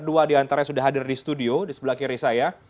dua diantaranya sudah hadir di studio di sebelah kiri saya